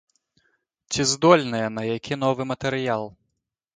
Ці здольныя на які новы матэрыял?